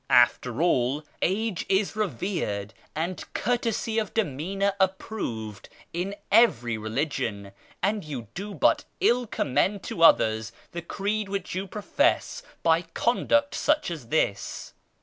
After all, age is revered and courtesy of demeanour approved in every religion, and you do but ill commend to others the creed which you profess by conduct such as this."